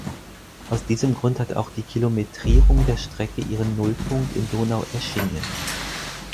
Aus diesem Grund hat auch die Kilometrierung der Strecke ihren Nullpunkt in Donaueschingen.